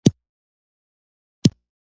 اکبر جان ورته وویل بله خبره به نه وي.